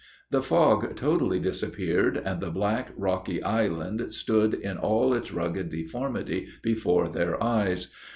The fog totally disappeared, and the black, rocky island stood in all its rugged deformity before their eyes.